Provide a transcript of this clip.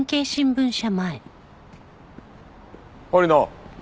堀野。